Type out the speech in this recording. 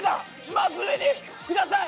まず上にください！